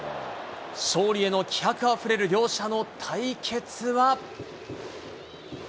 勝利への気迫あふれる両者の対決は。